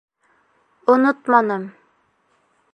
Онотманым.